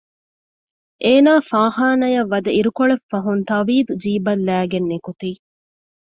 އޭނާ ފާޚާނާޔަށް ވަދެ އިރުކޮޅެއްފަހުން ތަވީދު ޖީބަށް ލައިގެން ނިކުތީ